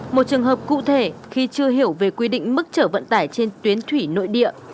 một trường hợp cụ thể khi chưa hiểu về quy định mức trở vận tải trên tuyến thủy nội địa